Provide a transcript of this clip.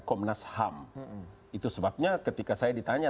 komnas ham itu sebabnya ketika saya ditanya